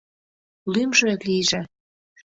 — Лӱмжӧ лийже...